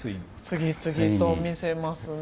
次々と見せますね。